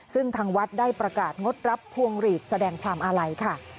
ซึ่งทางวัดได้ประกาศงดรับพวงหลีดแสดงความอาลัยค่ะ